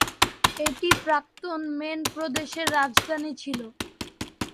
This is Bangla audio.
এটি প্রাক্তন মেন প্রদেশের রাজধানী ছিল।